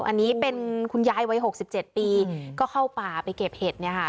อันนี้เป็นคุณยายวัย๖๗ปีก็เข้าป่าไปเก็บเห็ดเนี่ยค่ะ